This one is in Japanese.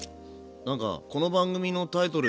なんかこの番組のタイトル